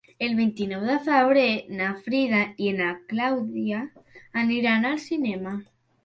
El vint-i-nou de febrer na Frida i na Clàudia aniran al cinema.